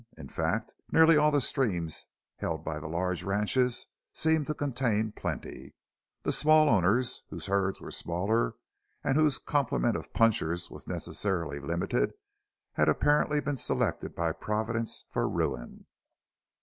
In fact, nearly all the streams held by the large ranchers seemed to contain plenty. The smaller owners, whose herds were smaller and whose complement of punchers was necessarily limited, had apparently been selected by Providence for ruin.